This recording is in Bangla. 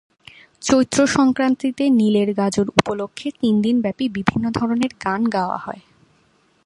চৈত্রসংক্রান্তিতে নীলের গাজন উপলক্ষে তিনদিন ব্যাপী বিভিন্ন ধরনের গান গাওয়া হয়।